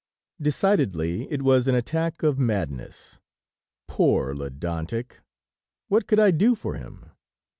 Decidedly it was an attack of madness. Poor Ledantec! What could I do for him?